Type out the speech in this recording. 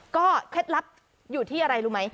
เคล็ดลับอยู่ที่อะไรรู้ไหม